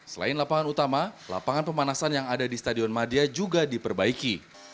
selain lapangan utama lapangan pemanasan yang ada di stadion madia juga diperbaiki